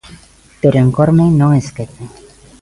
Pero en Corme non esquecen.